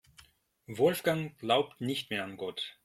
Wolfgang glaubt nicht mehr an Gott.